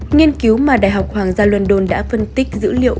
nghiên cứu mà đại học hoàng gia london đã phân tích dữ liệu